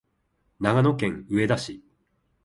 長野県上田市